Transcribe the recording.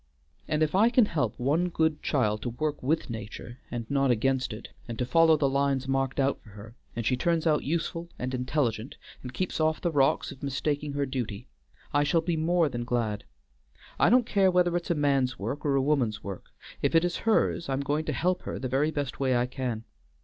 And if I can help one good child to work with nature and not against it, and to follow the lines marked out for her, and she turns out useful and intelligent, and keeps off the rocks of mistaking her duty, I shall be more than glad. I don't care whether it's a man's work or a woman's work; if it is hers I'm going to help her the very best way I can.